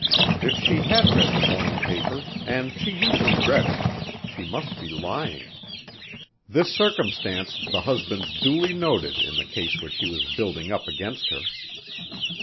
If she had read the morning paper and she usually read it she must be lying. This circumstance the husband duly noted in the case which he was building up against her.